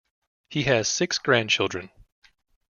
He has six grandchildren.